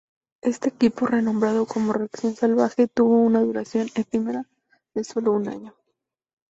Este grupo, renombrado como "Reacción Salvaje," tuvo una duración efímera de sólo un año.